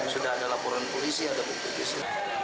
sudah ada laporan polisi ada bukti khusus